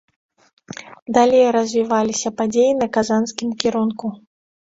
Далей развіваліся падзеі на казанскім кірунку.